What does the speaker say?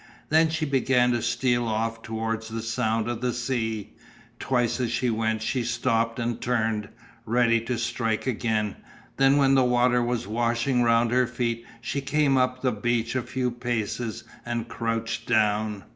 Then she began to steal off towards the sound of the sea. Twice as she went she stopped and turned, ready to strike again, then when the water was washing round her feet she came up the beach a few paces and crouched down.